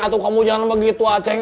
aduh kamu jangan begitu acing